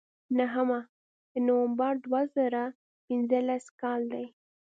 نهمه د نومبر دوه زره پینځلس کال دی.